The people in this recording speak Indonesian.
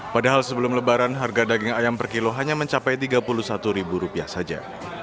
padahal sebelum lebaran harga daging ayam per kilo hanya mencapai rp tiga puluh satu saja